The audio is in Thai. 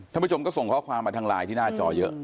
ผู้ชมก็ส่งข้อความมาทางไลน์ที่หน้าจอเยอะ